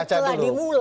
lalu telah dimulai